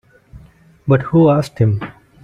But who asked him?